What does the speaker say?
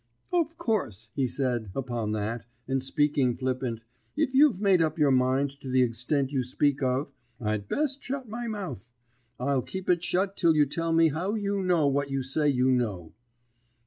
"'Of course,' he said, upon that, and speaking flippant, 'if you've made up your mind to the egstent you speak of, I'd best shut my mouth. I'll keep it shut till you tell me how you know what you say you know.'